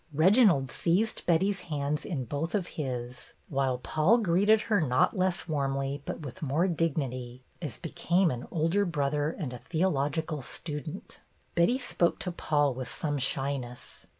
Reginald seized Betty's hands in both of his, while Paul greeted her not less warmly but with more dignity, as became an older brother and a theological student. Betty spoke to Paul with some shyness.